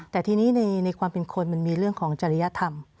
แต่ทีนี้ในความเป็นคนมันมีเรื่องของจริยธรรม